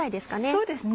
そうですね。